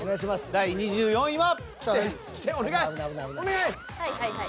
第２２位は。